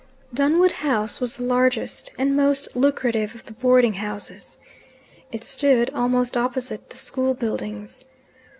Dunwood House was the largest and most lucrative of the boarding houses. It stood almost opposite the school buildings.